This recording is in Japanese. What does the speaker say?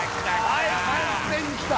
はい完全にきた。